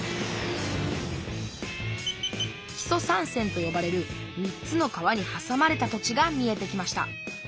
木曽三川とよばれる３つの川にはさまれた土地が見えてきました。